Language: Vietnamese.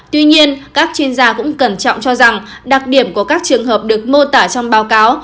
tuy nhiên các chuyên gia cũng cẩn trọng cho rằng đặc điểm của các trường hợp được mô tả trong báo cáo